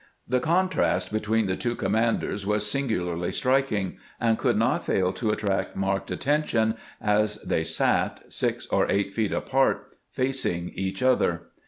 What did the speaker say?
The contrast between the two commanders was singularly strik ing, and could not fail to attract marked attention as they sat, six or eight feet apart, facing each other.